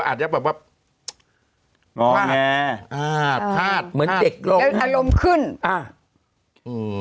อาจจะแบบว่าอ๋อแม่อ่าพาดเหมือนเด็กอารมณ์ขึ้นอ่าอืม